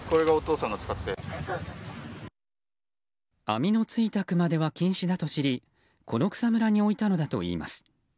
網のついた熊手は禁止だと知りこの草むらに置いたのだといいます。